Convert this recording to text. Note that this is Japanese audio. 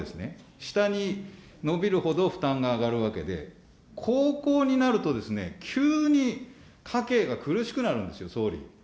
下に伸びるほど負担が上がるわけで、高校になるとですね、急に家計が苦しくなるんですよ、総理。